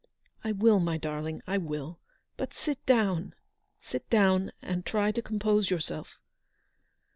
" I will, my darling, I will ; but sit down, sit down, and try to compose yourself."